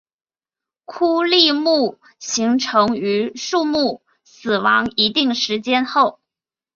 枯立木形成于树木死亡一定时间后。